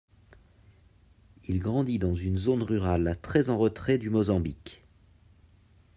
Il grandit dans une zone rurale très en retrait du Mozambique.